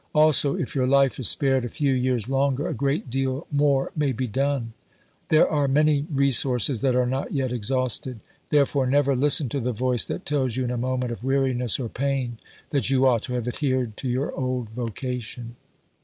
Also, if your life is spared a few years longer, a great deal more may be done. There are many resources that are not yet exhausted. Therefore never listen to the voice that tells you in a moment of weariness or pain that you ought to have adhered to your old vocation.